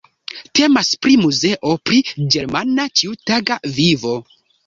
Temas pri muzeo pri ĝermana ĉiutaga vivo.